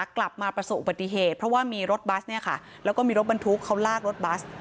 กลับมาประสบอุบัติเหตุเพราะว่ามีรถบัสเนี่ยค่ะแล้วก็มีรถบรรทุกเขาลากรถบัส